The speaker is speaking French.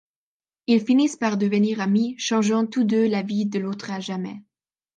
Ils finissent par devenir amis, changeant tous deux la vie de l'autre à jamais.